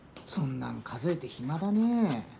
そんなん数えて暇だねえ。